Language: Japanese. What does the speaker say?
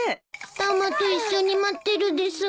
タマと一緒に待ってるです。